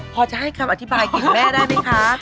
พอจะให้คำอธิบายของแม่ได้ไหมคะ